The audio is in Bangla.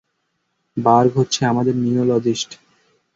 বার্গ হচ্ছে আমাদের নিও-লজিস্ট।